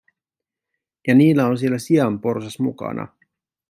Ja niillä on siellä sianporsas mukana.